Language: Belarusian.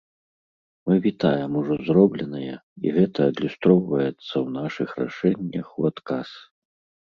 Мы вітаем ужо зробленае, і гэта адлюстроўваецца ў нашых рашэннях у адказ.